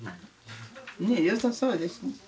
ねえよさそうですね。